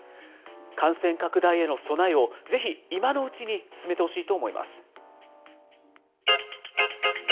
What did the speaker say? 感染拡大への備えを、ぜひ今のうちに進めてほしいと思います。